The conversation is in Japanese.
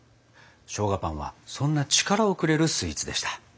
しょうがパンはそんな力をくれるスイーツでした。